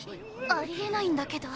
あり得ないんだけど！？